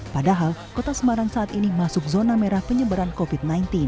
padahal kota semarang saat ini masuk zona merah penyebaran covid sembilan belas